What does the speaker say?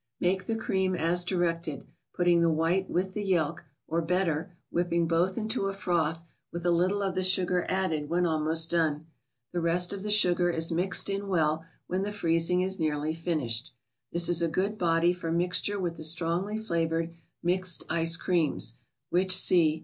Make the cream as directed, putting the white with the yelk, or, better, whipping both into a froth with a little of THE BOOK OF ICES. 38 the sugar added when almost done. The rest of the sugar is mixed in well when the freezing is nearly finished. This is a good body for mixture with the strongly flavored " Mixed Ice Creams," which see.